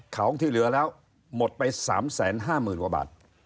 ของที่เหลือแล้วหมดไป๓แสนห้าหมื่นกว่าบาท